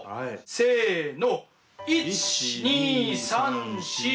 せの。